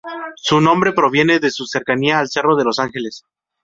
Su nombre proviene de su cercanía al Cerro de los Ángeles.